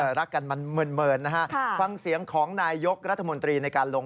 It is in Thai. หลายอย่างมีปัญหามันหลายแล้วสมาธิแล้วไม่มีแก้ได้